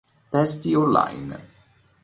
Testi online